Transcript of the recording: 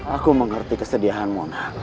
aku mengerti kesedihanmu